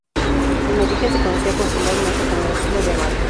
En origen se conocía popularmente como 'el asilo de Amadeo'.